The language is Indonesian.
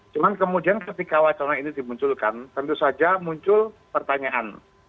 cuma kemudian ketika wacana ini dimunculkan tentu saja muncul pertanyaan